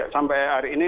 sampai hari ini